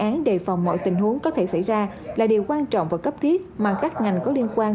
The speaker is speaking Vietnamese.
đề án đề phòng mọi tình huống có thể xảy ra là điều quan trọng và cấp thiết mà các ngành có liên quan